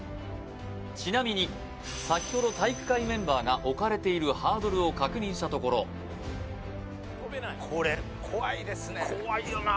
ちなみに先ほど体育会メンバーが置かれているハードルを確認したところ跳べない？